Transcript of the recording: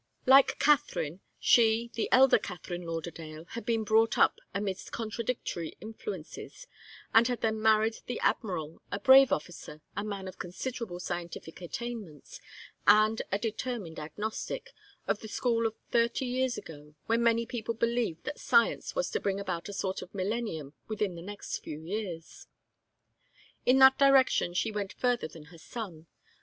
Like Katharine, she, the elder Katharine Lauderdale, had been brought up amidst contradictory influences, and had then married the Admiral, a brave officer, a man of considerable scientific attainments, and a determined agnostic, of the school of thirty years ago, when many people believed that science was to bring about a sort of millennium within the next few years. In that direction she went further than her son.